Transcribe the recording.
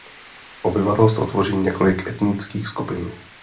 Obyvatelstvo tvoří několik etnických skupin.